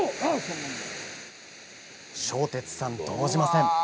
正哲さん、動じません。